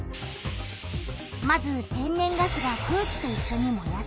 まず天然ガスが空気といっしょに燃やされる。